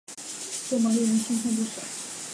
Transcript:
多么令人心痛不舍